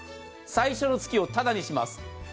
最初の月をただにします。